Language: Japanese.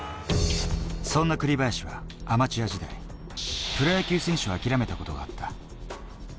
そんな栗林はアマチュア時代、プロ野球選手を諦めたことがあった。